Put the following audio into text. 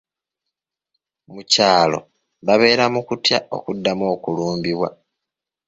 Mu kyalo babeera mu kutya okuddamu okulumbibwa.